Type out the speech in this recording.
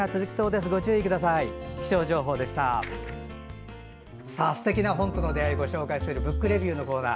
すてきな本との出会いをお届けする「ブックレビュー」のコーナー。